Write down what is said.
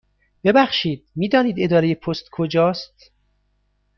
ببخشید، می دانید اداره پست کجا است؟